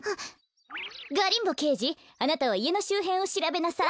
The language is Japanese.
ガリンボけいじあなたはいえのしゅうへんをしらべなさい。